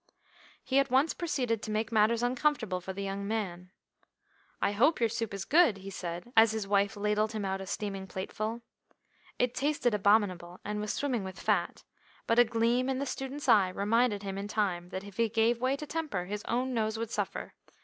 He at once proceeded to make matters uncomfortable for the young man. "I hope your soup is good," he said, as his wife ladled him out a steaming plateful. It tasted abominable, and was swimming with fat, but a gleam in the student's eye reminded him in time that if he gave way to temper his own nose would suffer.